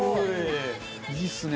いいっすね。